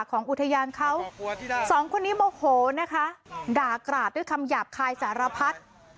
ของอุทยานเขาสองคนนี้โมโหนะคะด่ากราดด้วยคำหยาบคายสารพัด